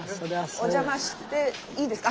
お邪魔していいですか？